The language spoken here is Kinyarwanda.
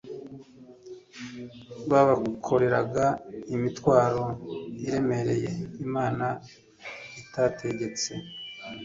Babakoreraga imitwaro iremereye Imana itategetse.